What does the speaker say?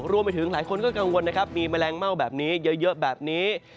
รวมไปถึงหลายคนก็กังวลนะครับมีแมลงเม่าแบบนี้เยอะแบบนี้